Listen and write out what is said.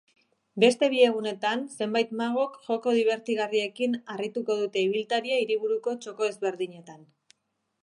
Beste bi egunetan zenbait magok joko dibertigarriekin harrituko dute ibiltaria hiriburuko txoko ezberdinetan.